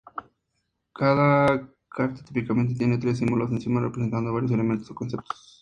Cada carta típicamente tiene tres símbolos encima, representando varios elementos o conceptos.